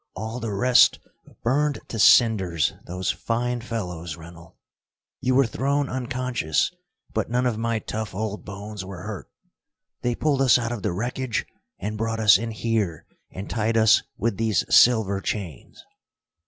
"All the rest burned to cinders, those fine fellows, Rennell! You were thrown unconscious, but none of my tough old bones were hurt. They pulled us out of the wreckage and brought us in here and tied us with these silver chains."